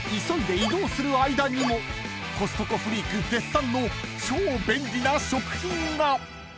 ［急いで移動する間にもコストコフリーク絶賛の超便利な食品が］